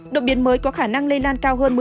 đột biến mới có khả năng lây lan cao hơn một mươi